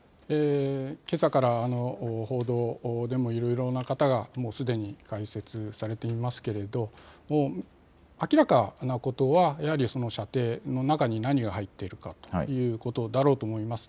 けさから報道でもいろいろな方がもうすでに解説されていますけれど明らかなことはやはり、射程の中に何が入っているかということだろうと思います。